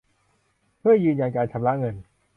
เพื่อยืนยันการชำระเงิน